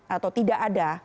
atau tidak ada